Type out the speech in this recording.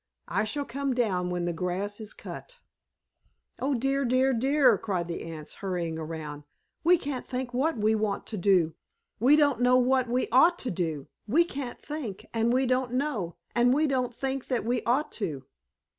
I shall come down when the grass is cut." "Oh, dear, dear, dear!" cried the Ants, hurrying around. "We can't think what we want to do. We don't know what we ought to do. We can't think and we don't know, and we don't think that we ought to!"